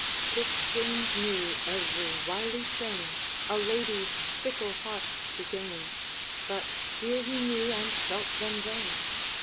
Fitz James knew every wily train A lady's fickle heart to gain, But here he knew and felt them vain.